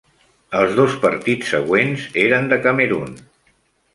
Els dos partits següents eren de Camerun.